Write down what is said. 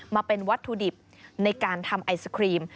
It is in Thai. มาเป็นวัตถุดิบในการทำไอศครีม